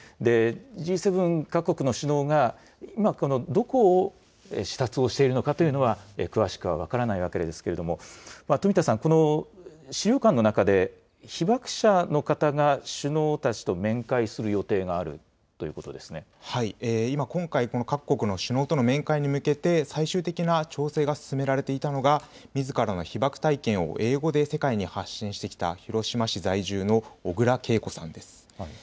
Ｇ７各国の首脳が今、このどこを視察をしているのかというのは詳しくは分からないわけですけれども、富田さん、この資料館の中で被爆者の方が首脳たちと面会する予定があるとい今、今回、各国の首脳との面会に向けて、最終的な調整が進められていたのがみずからの被爆体験を英語で世界に発信してきた広島市在住のおぐらけいこさんです。